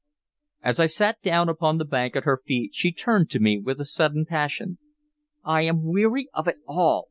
As I sat down upon the bank at her feet, she turned to me with a sudden passion. "I am weary of it all!"